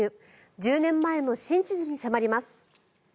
１０年前の真実に迫ります。